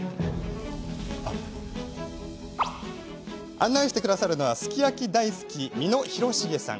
案内してくださるのはすき焼き大好き見野裕重さん。